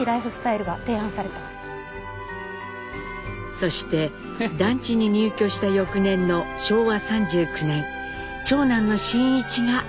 そして団地に入居した翌年の昭和３９年長男の真一が誕生します。